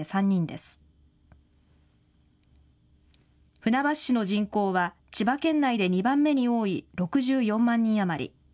船橋市の人口は千葉県内で２番目に多い６４万人余り。